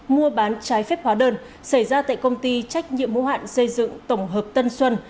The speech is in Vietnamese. mua bán trái phép hóa đơn xảy ra tại công ty trách nhiệm mô hạn xây dựng tổng hợp tân xuân